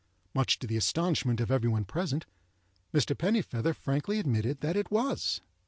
Much to the astonishment of every one present, Mr. Pennifeather frankly admitted that it was.